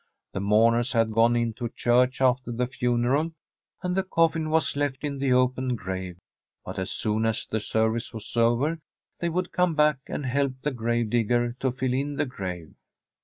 The mourners had gone into church after the funeral, and the coffin was left in the open cfrave; but as soon as the service was over they would come back, and help the grave digger to fill in the grave.